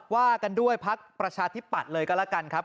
ว่ากันด้วยพักประชาธิปัตย์เลยก็แล้วกันครับ